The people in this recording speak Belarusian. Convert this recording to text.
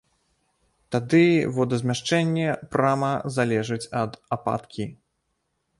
Тады водазмяшчэнне прама залежыць ад ападкі.